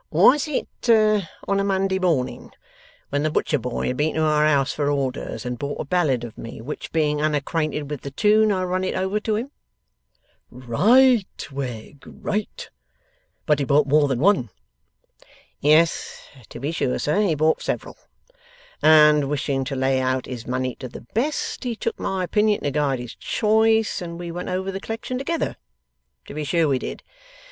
Was it on a Monday morning, when the butcher boy had been to our house for orders, and bought a ballad of me, which, being unacquainted with the tune, I run it over to him?' 'Right, Wegg, right! But he bought more than one.' 'Yes, to be sure, sir; he bought several; and wishing to lay out his money to the best, he took my opinion to guide his choice, and we went over the collection together. To be sure we did.